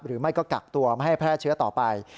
หรือไม่ก็กักตัวไม่ให้แพร่เชื้อต่อไป